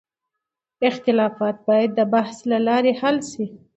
اختلافات باید د بحث له لارې حل شي.